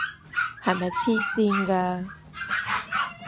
係咪癡線㗎？